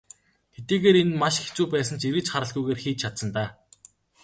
Хэдийгээр энэ нь маш хэцүү байсан ч эргэж харалгүйгээр хийж чадсан даа.